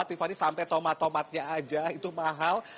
tiba tiba sampai tomat tomatnya aja itu mahal